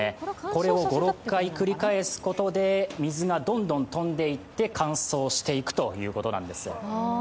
これを５６回繰り返すことで、水がどんどん飛んでいって乾燥していくということなんですよ。